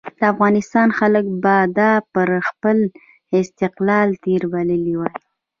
افغانستان خلکو به دا پر خپل استقلال تېری بللی وای.